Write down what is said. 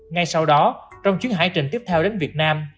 ngay sau đó trong chuyến hải trình tiếp theo đến việt nam